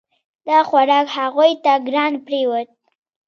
دا خوراک هغوی ته ګران پریوت.